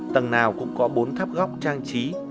tầng nào cũng có bốn tháp góc trang trí